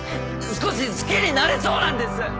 少し好きになれそうなんです！